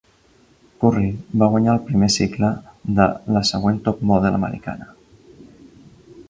Curry va guanyar el primer cicle de "La següent top model americana".